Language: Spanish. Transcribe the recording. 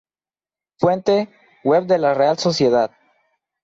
Fuente: Web de la Real Sociedad.